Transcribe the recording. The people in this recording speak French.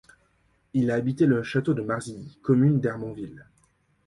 Il a habité le château de Marzilly, commune d'Hermonville.